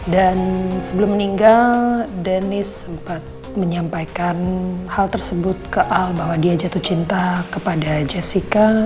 dan sebelum meninggal dennis sempat menyampaikan hal tersebut ke al bahwa dia jatuh cinta kepada jessica